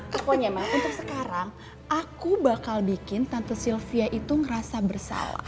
pokoknya mas untuk sekarang aku bakal bikin tante sylvia itu ngerasa bersal